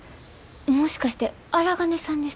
もしかして荒金さんですか？